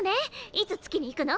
いつ月に行くの？